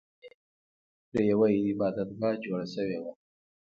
زرګونه کلونه وړاندې پرې یوه عبادتګاه جوړه شوې وه.